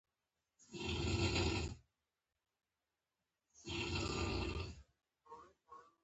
نرسې وویل: ولې؟